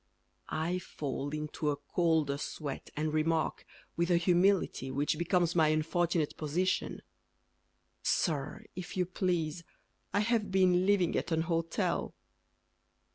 I fall into a colder sweat And remark, With a humility Which becomes my unfortunate position, "Sir, if you please, I have been living at an hotel."